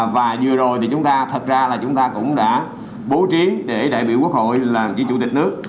và vừa rồi thì chúng ta thật ra là chúng ta cũng đã bố trí để đại biểu quốc hội là chủ tịch nước